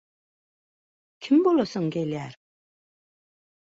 «Kim bolasyň gelýär?»